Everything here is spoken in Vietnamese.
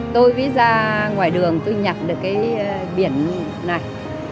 tôi nghĩ ra ngoài đường tôi nhặt được cái biển này